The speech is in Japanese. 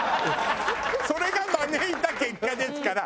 それが招いた結果ですから。